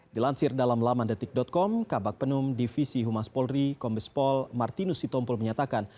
dilansir dalam laman detik com kabak penum divisi humas polri komis pol martinus sitompul menyatakan